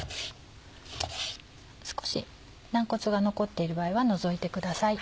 少し軟骨が残っている場合は除いてください。